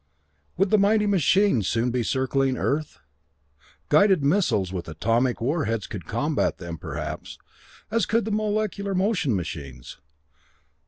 Would the mighty machines soon be circling Earth? Guided missiles with atomic warheads could combat them, perhaps, as could the molecular motion machines.